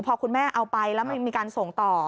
พอคุณแม่เอาไปแล้วมันมีการส่งต่อ